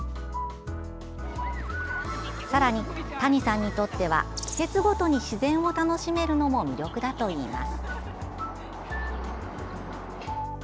さらに、谷さんにとっては季節ごとに自然を楽しめるのも魅力だといいます。